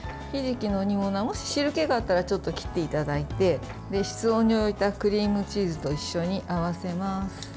ひじきの煮物はもし、汁けがあったらちょっと切っていただいて室温に置いたクリームチーズと一緒にあわせます。